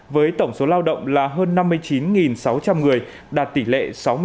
với tổng số lao động là hơn năm mươi chín sáu trăm linh người đạt tỷ lệ